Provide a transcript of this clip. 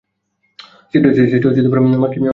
সেটা মাকেই জিজ্ঞেস করতে হবে।